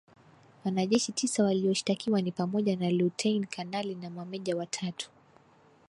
Wanajeshi tisa walioshtakiwa ni pamoja na lutein kanali na mameja watatu.